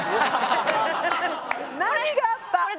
何があった！